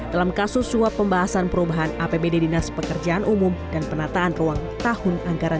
dalam kasus suap pembahasan perubahan apbd dinas pekerjaan umum dan penataan ruang tahun anggaran dua ribu tujuh belas